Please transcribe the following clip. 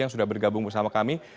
yang sudah bergabung bersama kami